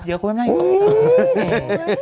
เดี๋ยวก็ไม่อยู่กับพร้อม